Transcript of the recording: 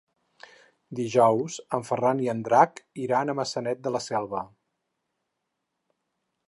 Dijous en Ferran i en Drac iran a Maçanet de la Selva.